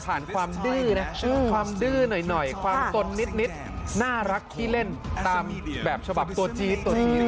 ผ่านความดื้อความดื้อหน่อยความส้นนิดน่ารักที่เล่นตามแบบฉบับตัวจี๊ด